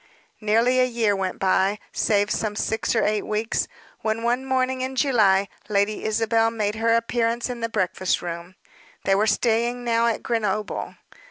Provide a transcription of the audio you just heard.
Nearly a year went by, save some six or eight weeks, when, one morning in July, Lady Isabel made her appearance in the breakfast room. They were staying now at Grenoble.